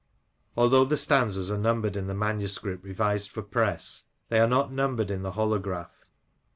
Although the stanzas are numbered in the manuscript revised for press, they are not numbered in the holograph.